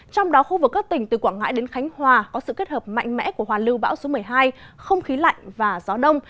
trong đó khu vực các tỉnh từ quảng ngãi đến khánh hòa có sự kết hợp mạnh mẽ của hòa lưu bão số một mươi hai không khí lạnh và gió đông